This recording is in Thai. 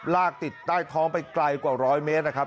ติดใต้ท้องไปไกลกว่าร้อยเมตรนะครับ